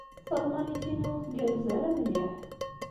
Talmanit-inu ur tgerrez ara mliḥ.